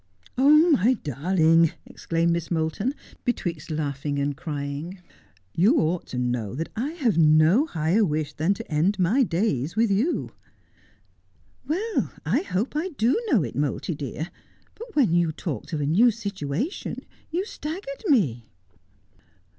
' My darling,' exclaimed Miss Moulton, betwixt laughing and Blatchmardean Castle. 125 crying, ' you ought to know that I have no higher wish than to end my days with you.' ' Well, I hope I do know it, Moulty dear ; hut when you talked of a new situation you staggered me.'